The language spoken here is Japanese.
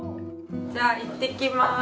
じゃあいってきます。